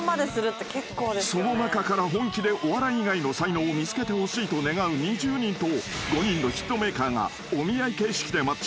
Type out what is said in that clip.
［その中から本気でお笑い以外の才能を見つけてほしいと願う２０人と５人のヒットメーカーがお見合い形式でマッチング］